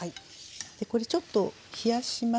これちょっと冷やしますね。